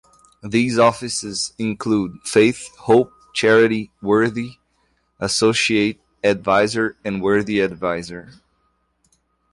These offices include Faith, Hope, Charity, Worthy Associate Advisor, and Worthy Advisor.